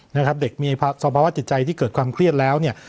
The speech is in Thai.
นะครับเด็กมีสภาวะจิตใจที่เกิดความเครียดแล้วเนี่ย